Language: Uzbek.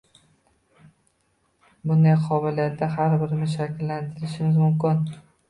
Bunday qobiliyatni har birimiz shakllantirishimiz mumkin